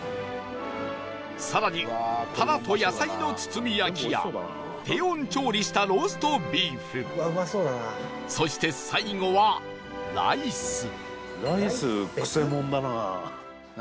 更に、タラと野菜の包み焼きや低温調理したローストビーフそして、最後は、ライス富澤：ライス、くせ者だな。